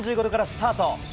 ４５度からスタート。